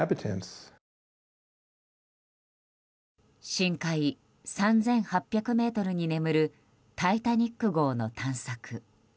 深海３８００ｍに眠る「タイタニック号」の探索。